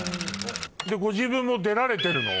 ご自分も出られてるの？